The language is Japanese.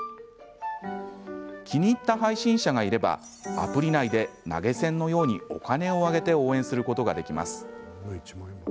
気に入った配信者がいればアプリ内で投げ銭のようにお金をあげて応援することができます。